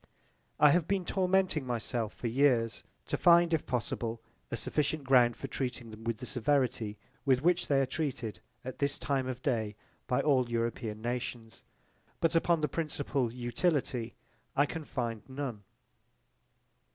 I have been tormenting myself for years to find if possible a sufficient ground for treating them with the severity with which they are treated at this time of day by all European nations: but upon the principle utility I can find none.